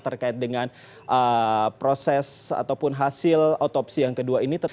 terkait dengan proses ataupun hasil otopsi yang kedua ini